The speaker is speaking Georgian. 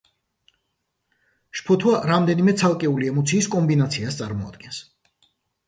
შფოთვა, რამდენიმე ცალკეული ემოციის კომბინაციას წარმოადგენს.